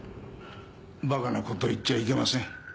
馬鹿なこと言っちゃいけません。